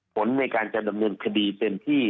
ผลในการจะดำเนินคดีเป็นที่